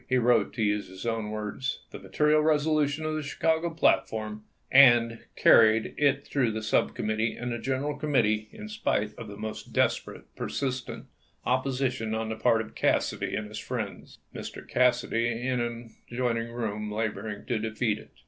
He wrote, to use his own words :" The material resolution of the Chicago platform, and carried it through the sub committee and the gen eral committee in spite of the most desperate, per sistent opposition on the part of Cassidy and his friends, Mr. Cassidy himself in an adjoining room laboring to defeat it."